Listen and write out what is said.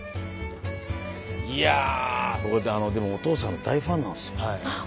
いや僕はお父さんの大ファンなんですよ。